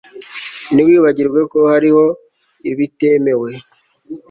Ntiwibagirwe ko hariho ibitemewe